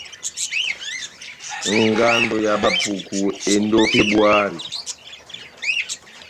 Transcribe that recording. Ngando ya Bapuku endi ó Febuari.